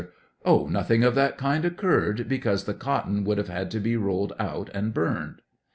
Oh, nothing of that kind occurred, because the cotton would have to be rolled out and burned.